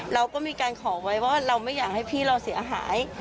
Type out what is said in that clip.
เราก็มีการขอไว้ว่าเราไม่อยากให้พี่เราเสียหาย